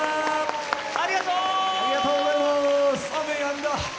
ありがとう。